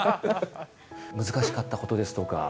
難しかったことですとか。